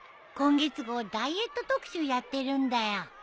今月号ダイエット特集やってるんだよ。